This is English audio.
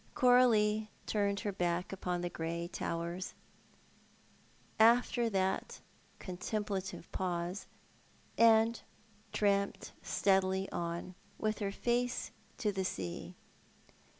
Comlio turned her back upon the grey towers, after that ooutcmplative pause, and tramped steadily on, with her face to the sea.